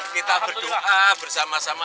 kita berdoa bersama sama